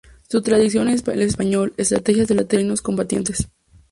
Su traducción al español es "Estrategias de los Reinos Combatientes".